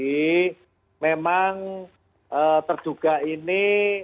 jadi memang terduga ini